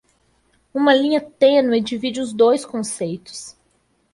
Uma linha tênue divide os dois conceitos